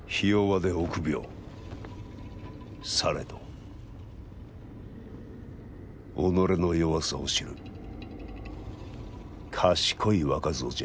されど己の弱さを知る賢い若造じゃ。